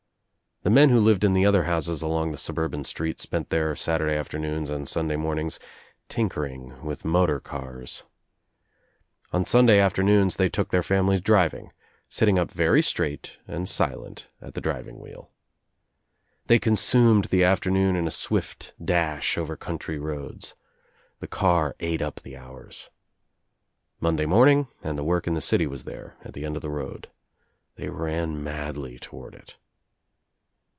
The men who lived in the other houses along the suburban street spent their Saturday afternoons and Sunday mornings tinkering, with motor cars. On Sunday afternoons they took their families driving, sitting up very straight and silent at the driving wheel. They consumed the after noon in a swift dash over country roads. The car at( up the hours. Monday morning and the work in th( city was there, at the end of the road. They rai madly toward it.